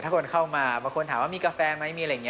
ถ้าคนข้าวมาได้สังเมณีว่ามีกาแฟไหม